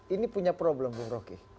ini punya problem bung rocky